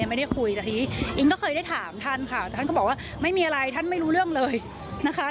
ไม่ได้คุยแต่ทีนี้อิงก็เคยได้ถามท่านค่ะแต่ท่านก็บอกว่าไม่มีอะไรท่านไม่รู้เรื่องเลยนะคะ